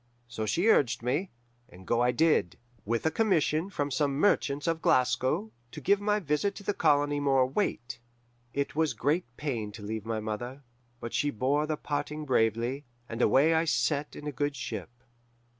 So she urged me, and go I did, with a commission from some merchants of Glasgow, to give my visit to the colony more weight. "It was great pain to leave my mother, but she bore the parting bravely, and away I set in a good ship.